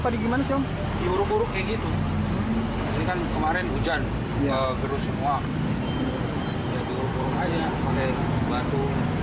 diuruk uruk aja pakai batu